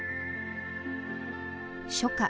初夏。